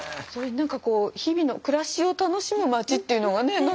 それに何かこう日々の暮らしを楽しむまちっていうのがね